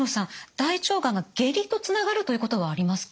大腸がんが下痢とつながるということはありますか？